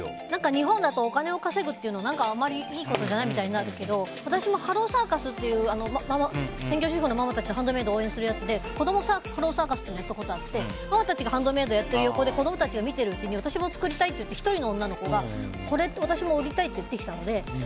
日本だとお金を稼ぐっていうのあんまりいいことじゃないみたいになるけど私もハローサーカスという専業主婦のママたちのハンドメイドを応援するやつで子供サーカスっていうのをやったことがあってママたちがハンドメイドやってる横で子供たちが私も作りたいって１人の女の子がこれ私も売りたいって言ってきたので。